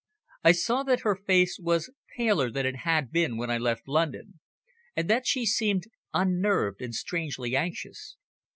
I saw that her face was paler than it had been when I left London, and that she seemed unnerved and strangely anxious.